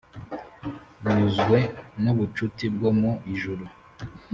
Nyuzwe n’ubucuti bwo mu ijuru